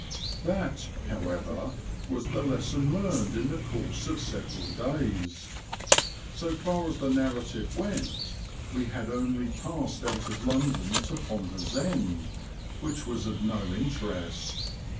That, however, was the lesson learned in the course of several days. So far as the narrative went we had only passed out of London to Ponder's End, which was of no interest.